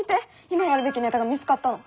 今やるべきネタが見つかったの。